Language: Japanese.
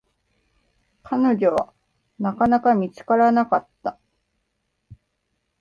彼女は、なかなか見つからなかった。